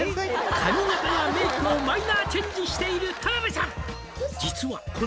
「髪形やメイクをマイナーチェンジしている田辺さん」